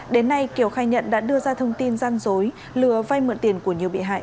đến nay kiều khai nhận đã đưa ra thông tin gian dối lừa vay mượn tiền của nhiều bị hại